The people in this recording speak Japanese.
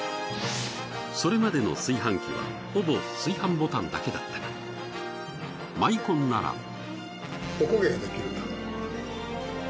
それまでの炊飯器はほぼ炊飯ボタンだけだったがマイコンなら。